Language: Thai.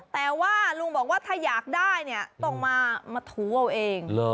แต่ว่าลุงบอกว่าถ้าอยากได้เนี่ยต้องมาถูเอาเอง